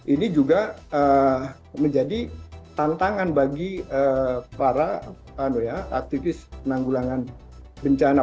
ini juga menjadi tantangan bagi para aktivis penanggulangan bencana